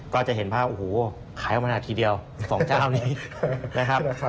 ก็จะเห็นภาพโอ้โหขายออกมานาทีเดียว๒เจ้านี้นะครับ